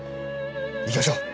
いきましょう。